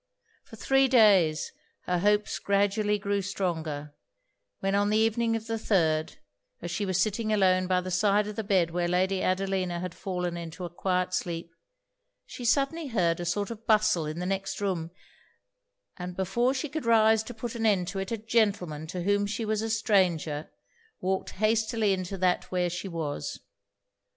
For three days, her hopes gradually grew stronger; when on the evening of the third, as she was sitting alone by the side of the bed where Lady Adelina had fallen into a quiet sleep, she suddenly heard a sort of bustle in the next room; and before she could rise to put an end to it, a gentleman to whom she was a stranger, walked hastily into that where she was.